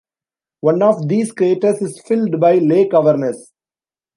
One of these craters is filled by Lake Avernus.